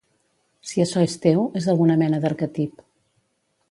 Si açò és teu, és alguna mena d'arquetip.